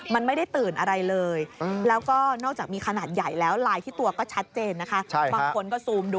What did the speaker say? ต้องจับเพราะเขาไม่ทำเป็นไรแล้วใช่ไหมนะ